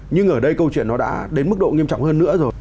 nhưng ở đây câu chuyện nó đã đến mức độ nghiêm trọng hơn nữa rồi